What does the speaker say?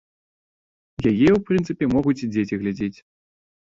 Яе, у прынцыпе, могуць і дзеці глядзець.